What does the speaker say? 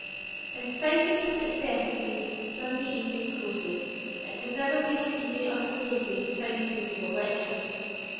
In spite of the success of these Sunday evening courses, it has never been an easy undertaking to find acceptable lectures.